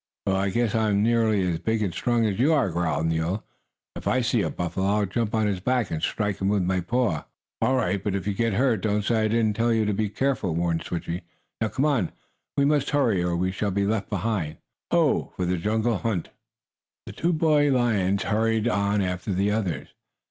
"Well, I guess I'm nearly as big and strong as you," growled Nero. "If I see a buffalo I'll jump on his back, and strike him with my paw." "All right. But if you get hurt don't say I didn't tell you to be careful," warned Switchie. "Now come on! We must hurry or we shall be left behind. Ho for the jungle hunt!" The two boy lions hurried on after the others.